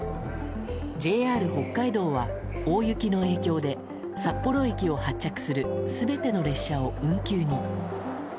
ＪＲ北海道は大雪の影響で札幌駅を発着する全ての列車を運休に。